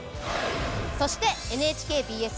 そしてＮＨＫＢＳ